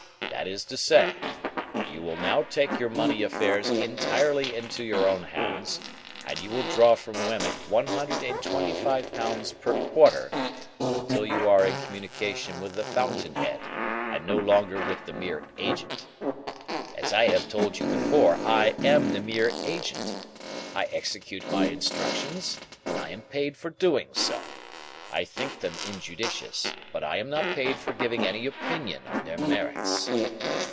That is to say, you will now take your money affairs entirely into your own hands, and you will draw from Wemmick one hundred and twenty five pounds per quarter, until you are in communication with the fountain head, and no longer with the mere agent. As I have told you before, I am the mere agent. I execute my instructions, and I am paid for doing so. I think them injudicious, but I am not paid for giving any opinion on their merits."